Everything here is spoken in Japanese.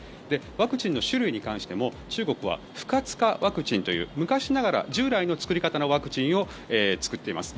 ワクチンの種類に関しても中国は不活化ワクチンという昔ながら、従来の作り方のワクチンを作っています。